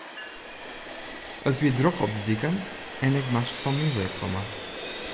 It wie drok op de diken en ik moast fan myn wurk komme.